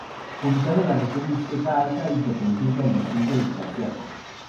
Ubicado en la región Mixteca alta y perteneciente al distrito de Tlaxiaco.